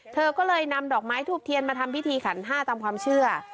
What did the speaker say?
เธอก็เลยนำดอกไม้ทูบเทียนมาทำพิธีขันห้าตามความเชื่อ